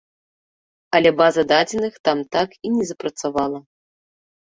Але база дадзеных там так і не запрацавала.